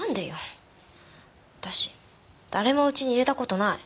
私誰もうちに入れた事ない。